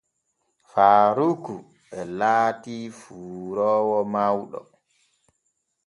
Faaruku e laatii fuuroowo mawɗo.